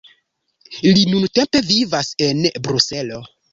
Li nuntempe vivas en Bruselo.